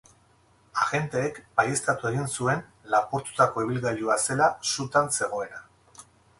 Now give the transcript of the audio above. Agenteek baieztatu egin zuen lapurtutako ibilgailua zela sutan zegoena.